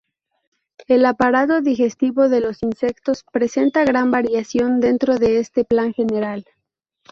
El aparato digestivo de los insectos presenta gran variación dentro de este plan general.